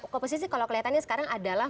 oposisi kalau kelihatannya sekarang adalah